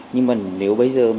nhưng mà nếu bây giờ